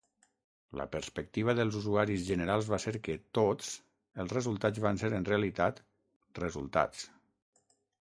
La perspectiva dels usuaris generals va ser que "tots" els resultats van ser, en realitat, "resultats.